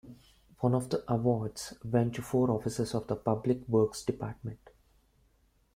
One of the awards went to four officers of the Public Works Department.